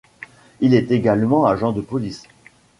Il est également agent de police.